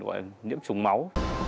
người ta gọi là nhiễm trùng máu